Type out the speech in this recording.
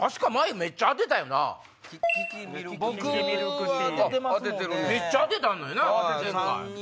めっちゃ当てたのよな。